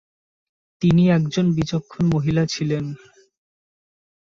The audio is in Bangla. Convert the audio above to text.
তিনি একজন বিচক্ষণ মহিলা ছিলেন।